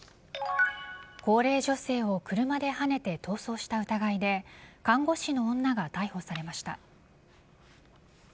高齢女性を車ではねて逃走した疑いで看護師の女が逮捕されました。